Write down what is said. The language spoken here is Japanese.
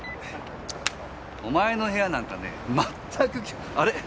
お前の部屋なんかねえ全くあれ？